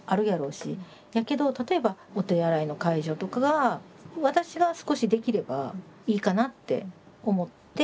やけど例えばお手洗いの介助とかが私が少しできればいいかなって思って。